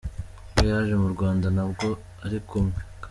bwe yaje mu Rwanda nabwo ari kumwe.